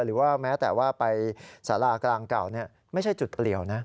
หรือว่าแม้แต่ว่าไปสารากลางเก่าไม่ใช่จุดเปลี่ยวนะ